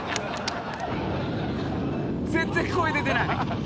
「全然声出てない！」